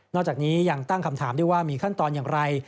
จากนี้ยังตั้งคำถามด้วยว่ามีขั้นตอนอย่างไร